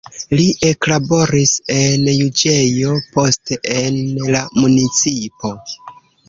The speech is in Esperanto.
Li eklaboris en juĝejo, poste en la municipo.